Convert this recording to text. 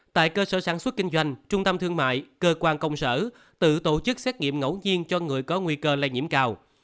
tại cơ sở sản xuất kinh doanh trung tâm thương mại cơ quan công sở tự tổ chức xét nghiệm ngẫu nhiên cho người có nguy cơ lây nhiễm cao